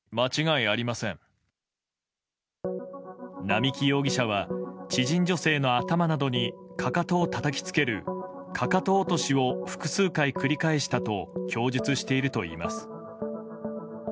並木容疑者は知人女性の頭などにかかとをたたきつけるかかと落としを複数回繰り返したと供述しているといいます。